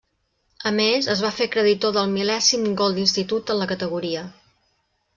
A més, es va fer creditor del mil·lèsim gol d'Institut en la categoria.